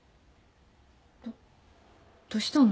どっどうしたの？